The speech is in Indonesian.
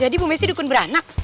jadi ibu mesi dukun beranak